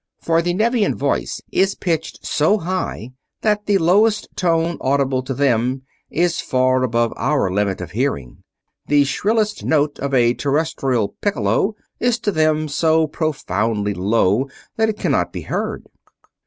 For the Nevian voice is pitched so high that the lowest note audible to them is far above our limit of hearing. The shrillest note of a Terrestrial piccolo is to them so profoundly low that it cannot be heard.